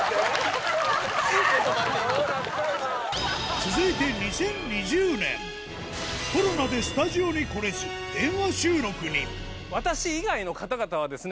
続いてコロナでスタジオに来れず電話収録に私以外の方々はですね